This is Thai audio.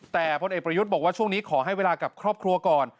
แต่พลเอกประยุทธ์บอกว่าช่วงนี้ขอให้เวลากับครอบครัวก่อน